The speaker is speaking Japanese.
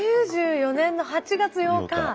９４年の８月８日。